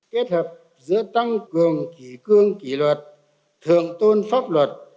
kết hợp giữa tăng cường kỷ cương kỷ luật thượng tôn pháp luật